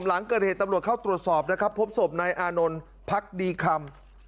หลังเกิดเหตุตำรวจเข้าตรวจสอบนะครับพบศพนายอานนท์พักดีคำ